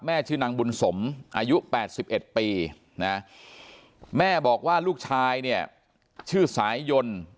ชื่อนางบุญสมอายุ๘๑ปีนะแม่บอกว่าลูกชายเนี่ยชื่อสายยนต์